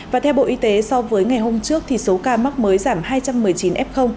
và theo bộ y tế so với ngày hôm trước thì số ca mắc mới giảm hai trăm một mươi chín f